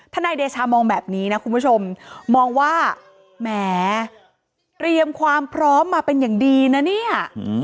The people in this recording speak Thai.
นายเดชามองแบบนี้นะคุณผู้ชมมองว่าแหมเตรียมความพร้อมมาเป็นอย่างดีนะเนี่ย